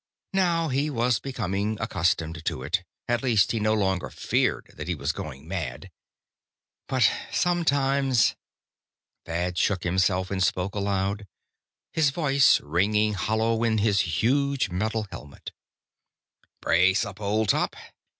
Now he was becoming accustomed to it. At least, he no longer feared that he was going mad. But sometimes.... Thad shook himself and spoke aloud, his voice ringing hollow in his huge metal helmet: "Brace up, old top.